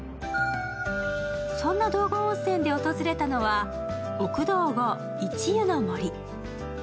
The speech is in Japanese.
そんな道後温泉で訪れたのは、奥道後壱湯の守。